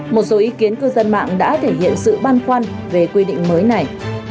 một số ý kiến cư dân mạng đã thể hiện sự băn khoăn về quy định mới này